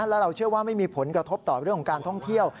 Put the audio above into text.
แล้วเราเชื่อว่าไม่มีผลกระทบต่อเรื่องของการท่องเที่ยว